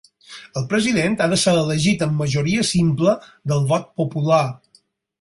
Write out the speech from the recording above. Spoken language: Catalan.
El president ha de ser elegit amb majoria simple del vot popular.